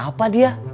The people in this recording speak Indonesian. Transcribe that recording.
mau apa dia